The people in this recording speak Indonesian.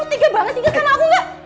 kamu tiga banget nggak sama aku nggak